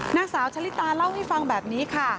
นางสาวชะลิตาเล่าให้ฟังแบบนี้ค่ะ